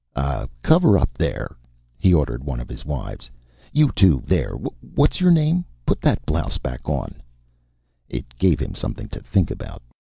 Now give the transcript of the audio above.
"Ah, cover up there!" he ordered one of his wives. "You too there, what's your name. Put that blouse back on!" It gave him something to think about.